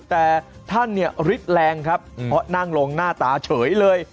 แต่ท่านเนี่ยฤทธิ์แรงครับเพราะนั่งลงหน้าตาเฉยเลย